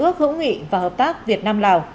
hợp tác hữu nghị và hợp tác việt nam lào